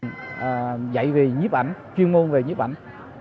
trường dạy về nhíp ảnh chuyên môn về nhíp ảnh